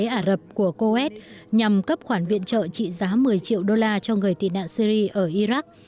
quỹ phát triển kinh tế ả rập của coes nhằm cấp khoản viện trợ trị giá một mươi triệu đô la cho người tị nạn syri ở iraq